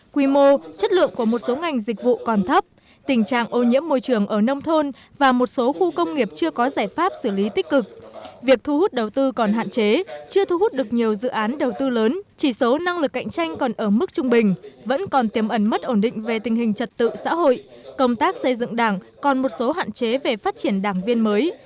quy mô chất lượng của một số ngành dịch vụ còn thấp tình trạng ô nhiễm môi trường ở nông thôn và một số khu công nghiệp chưa có giải pháp xử lý tích cực việc thu hút đầu tư còn hạn chế chưa thu hút được nhiều dự án đầu tư lớn chỉ số năng lực cạnh tranh còn ở mức trung bình vẫn còn tiềm ẩn mất ổn định về tình hình trật tự xã hội công tác xây dựng đảng còn một số hạn chế về phát triển đảng viên mới